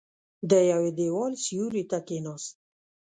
د يوه دېوال سيوري ته کېناست.